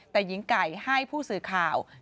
แต่หญิงไก่ให้ผู้สื่อข่าว